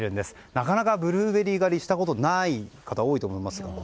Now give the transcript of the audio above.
なかなかブルーベリー狩りをしたことない方多いかと思いますが。